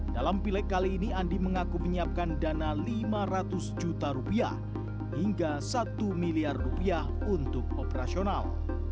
dalam pilek kali ini andi mengaku menyiapkan dana lima ratus juta rupiah hingga satu miliar rupiah untuk operasional